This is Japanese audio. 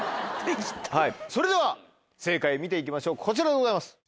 それでは正解見ていきましょうこちらでございます。